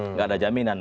nggak ada jaminan